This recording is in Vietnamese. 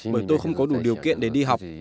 bởi tôi không có đủ điều kiện để đi học